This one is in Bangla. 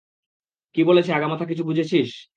কী বলেছে আগামাথা কিছু বুঝেছিস?